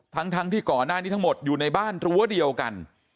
ทั้งที่ก่อนหน้านี้ทั้งหมดอยู่ในบ้านรั้วเดียวกัน